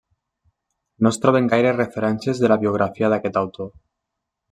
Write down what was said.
No es troben gaires referències de la biografia d'aquest autor.